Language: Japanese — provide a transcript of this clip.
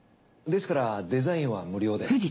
ですからデザインは無料で。